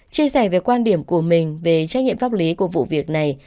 chia sẻ về quan điểm của mình về trách nhiệm pháp lý của vụ việc này